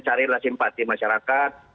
carilah simpati masyarakat